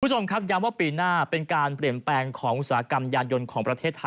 คุณผู้ชมครับย้ำว่าปีหน้าเป็นการเปลี่ยนแปลงของอุตสาหกรรมยานยนต์ของประเทศไทย